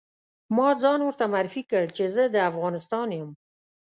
ما ځان ورته معرفي کړ چې زه د افغانستان یم.